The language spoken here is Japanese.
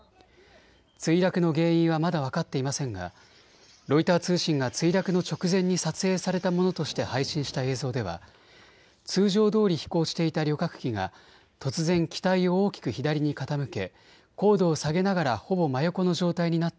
墜落の原因はまだ分かっていませんがロイター通信が墜落の直前に撮影されたものとして配信した映像では通常どおり飛行していた旅客機が突然、機体を大きく左に傾け高度を下げながらほぼ真横の状態になった